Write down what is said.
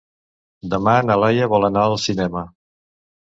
Demà na Laia vol anar al cinema.